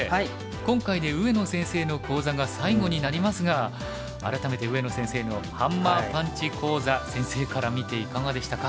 今回で上野先生の講座が最後になりますが改めて上野先生のハンマーパンチ講座先生から見ていかがでしたか？